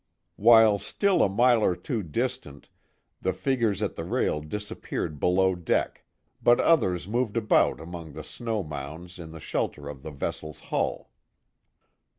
While still a mile or two distant, the figures at the rail disappeared below deck, but others moved about among the snow mounds in the shelter of the vessel's hull.